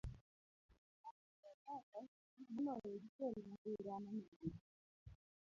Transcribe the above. Mtoka go ber ka olosgi moloyo gikel masira ma nego ji.